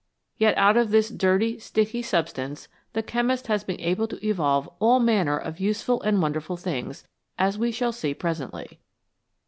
Yet out of this dirty, sticky substance the chemist has been able to evolve all manner of useful and wonderful things, as we shall see presently.